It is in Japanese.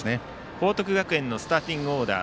報徳学園のスターティングオーダー。